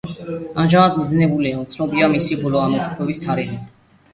ამჟამად მიძინებულია, უცნობია მისი ბოლო ამოფრქვევის თარიღი.